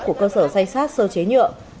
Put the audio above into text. của cơ sở say sát sơ chế nhựa